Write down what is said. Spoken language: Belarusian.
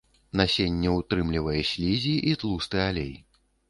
Насенне ўтрымлівае слізі і тлусты алей.